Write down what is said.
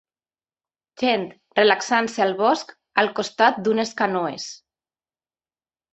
Gent relaxant-se al bosc al costat d'unes canoes.